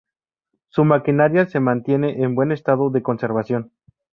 Su maquinaria se mantiene en buen estado de conservación.